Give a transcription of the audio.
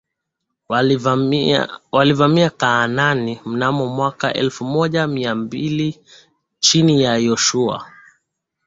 walivamia Kanaani mnamo mwaka elfu moja mia mbili chini ya Yoshua